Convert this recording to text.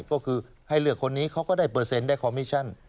ก็คือให้เลือกคนนี้เขาก็ได้เปอร์เซ็นต์ได้คอมมิชชั่น